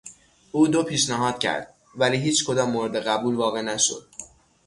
او دو پیشنهاد کرد ولی هیچکدام مورد قبول واقع نشد.